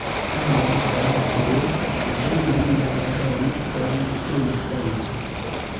Tamen reale ĝi neniam rolis en tiu senco.